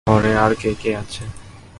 ঘরে আর কে কে আছে?